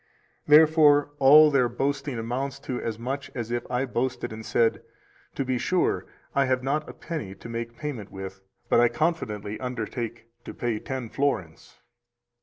Therefore all their boasting amounts to as much as if I boasted and said: To be sure, I have not a penny to make payment with, but I confidently undertake to pay ten florins.